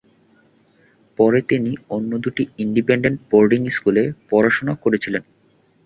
পরে তিনি অন্য দুটি ইন্ডিপেনডেন্ট বোর্ডিং স্কুলে পড়াশোনা করেছিলেন।